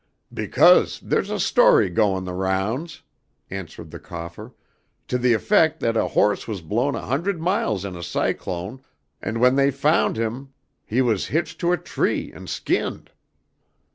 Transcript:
"Because there's a story goin' the rounds," answered the cougher, "to the effec' that a horse was blown a hundred miles in a cyclone and when they found him he was hitched to a tree and skinned."